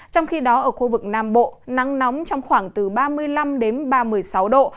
trong khi đó ở khu vực nam bộ nắng nóng trong khoảng từ ba mươi năm đến ba mươi sáu độ